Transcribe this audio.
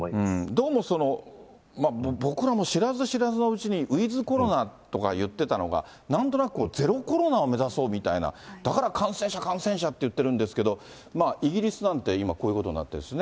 どうも僕らも知らず知らずのうちにウィズコロナとか言ってたのが、なんとなくゼロコロナを目指そうみたいな、だから感染者、感染者って言ってるんですけど、イギリスなんて今、こういうことになってるんですね。